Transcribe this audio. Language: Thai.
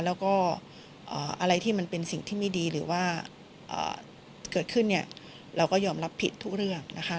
แล้วก็อะไรที่มันเป็นสิ่งที่ไม่ดีหรือว่าเกิดขึ้นเนี่ยเราก็ยอมรับผิดทุกเรื่องนะคะ